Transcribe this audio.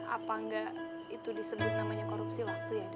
apa enggak itu disebut namanya korupsi waktu itu